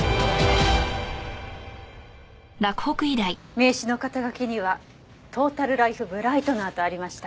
名刺の肩書にはトータル・ライフ・ブライトナーとありました。